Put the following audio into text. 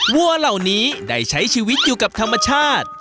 วัวเหล่านี้ได้ใช้ชีวิตอยู่กับธรรมชาติ